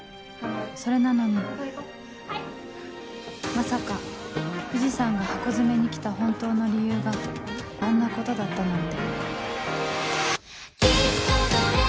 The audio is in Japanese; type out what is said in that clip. それなのにまさか藤さんがハコヅメに来た本当の理由があんなことだったなんて